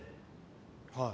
はい。